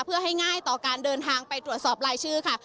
เพื่อให้ง่ายต่อการเดินทางไปตรวจสอบรายชื่อค่ะ